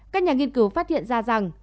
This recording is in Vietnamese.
các nhà nghiên cứu phát hiện ra rằng